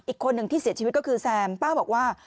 อีกคนหนึ่งที่เสียชีวิตก็คือแซมป้าบอกว่า